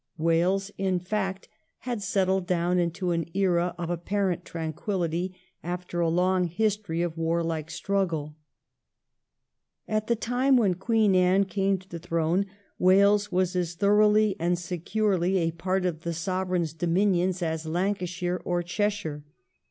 Wales, in fact, had settled down into an era of apparent tranquillity after a long history of warlike struggle. At the time when Queen Anne came to the throne Wales was as thoroughly and securely a part of the Sovereign's dominions as Lancashire or Cheshire.